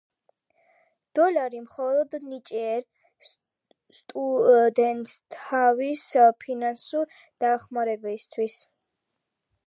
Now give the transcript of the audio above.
დოლარი მხოლოდ ნიჭიერ სტუდენტთათვის ფინანსური დახმარებისათვის.